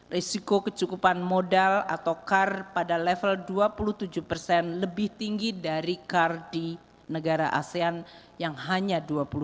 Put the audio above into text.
risiko kecukupan modal atau car pada level dua puluh tujuh persen lebih tinggi dari car di negara asean yang hanya dua puluh tujuh